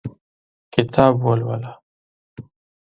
کتاب ولوله !